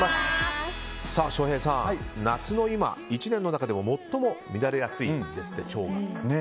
翔平さん、夏の今１年の中でも最も乱れやすいんですって、腸が。